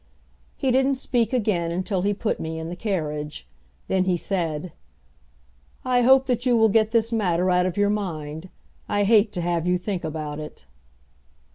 He didn't speak again until he put me in the carriage. Then he said, "I hope that you will get this matter out of your mind. I hate to have you think about it."